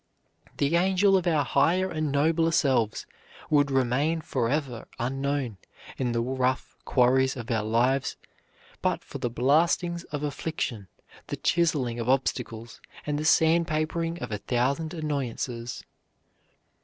The angel of our higher and nobler selves would remain forever unknown in the rough quarries of our lives but for the blastings of affliction, the chiseling of obstacles, and the sand papering of a thousand annoyances.